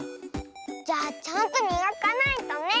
じゃあちゃんとみがかないとね。